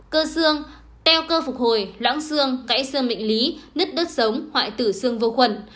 cơ xương teo cơ phục hồi lãng xương cãi xương bệnh lý nứt đất sống hoại tử xương vô khuẩn